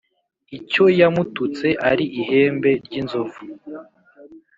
icyo yamututse ari ihembe ry' inzovu